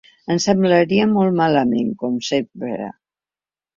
Em semblaria molt malament, com sempre.